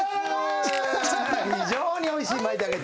非常においしいまいたけ天ぷら。